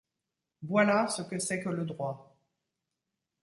Voilà ce que c’est que le droit.